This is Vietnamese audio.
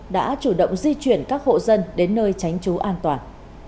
đã chủ động di chuyển các hộ dân đến nơi tránh trú an toàn